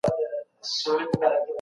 اول اغزى دئ